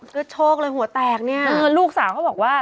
ก็โชคเลยหัวแตกเนี่ยลูกสาวเขาบอกว่า